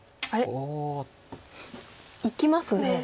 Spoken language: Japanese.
おお。いきますね。